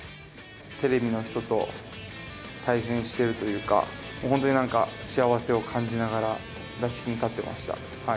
テレビの人と対戦してるというか、本当になんか幸せを感じながら、打席に立ってました。